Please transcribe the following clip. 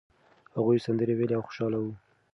هغوی سندرې ویلې او خوشاله وو.